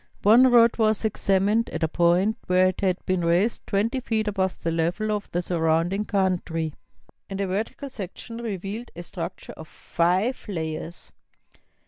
One road was examined at a point where it had been raised twenty feet above the level of the surrounding country, and a vertical section revealed a structure of five layers.